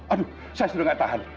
aduh saya sudah gak tahan